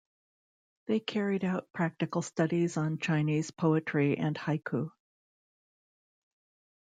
They carried out practical studies on Chinese poetry and "haiku".